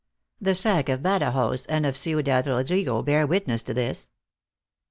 The sack of Badajoz, and of Ciudad Eodrigo bear witness to this."